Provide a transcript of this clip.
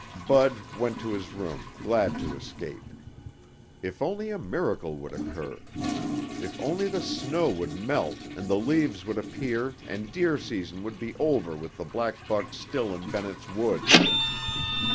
Bud went to his room, glad to escape. If only a miracle would occur. If only the snow would melt and the leaves would appear and deer season would be over with the black buck still in Bennett's Woods.